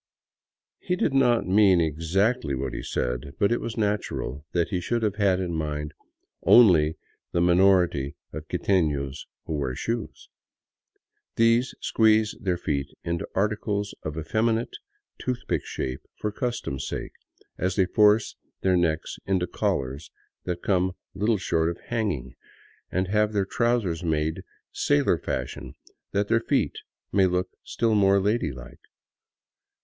He did not mean exactly what he said, but it was natural that he should have had in mind only the minority of quietefios who wear shoes. These squeeze their feet into articles of effeminate, toothpick shape for custom's sake, as they force their necks into collars that come little short of hanging, and have their trousers made sailor fashion, that their feet may look still more ladylike.